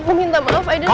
sudah tempo ya tante